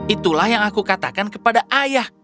itulah yang aku katakan kepada ayah